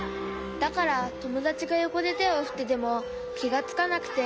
だからともだちがよこでてをふっててもきがつかなくて。